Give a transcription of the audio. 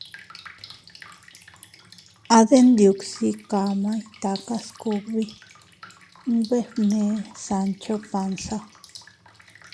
—A Denyuksi kamay takas kugbi —nbefne Sancho Panza.